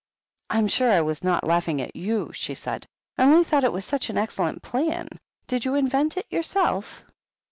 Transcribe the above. " I'm sure I was not laughing at y(m," she said. "I only thought it was such an excellent plan. Did you invent it yourself?"